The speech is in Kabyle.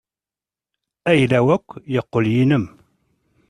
Ayla-w akk yeqqel yinem.